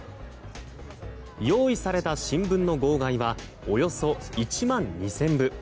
用意された新聞の号外はおよそ１万２０００部。